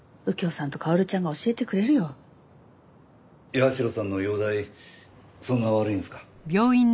社さんの容体そんな悪いんですか？